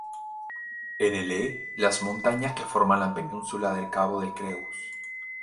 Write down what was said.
En el E, las montañas que forman la península del cabo de Creus.